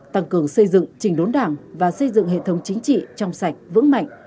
tăng cường xây dựng trình đốn đảng và xây dựng hệ thống chính trị trong sạch vững mạnh